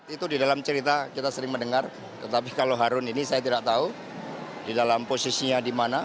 itu di dalam cerita kita sering mendengar tetapi kalau harun ini saya tidak tahu di dalam posisinya di mana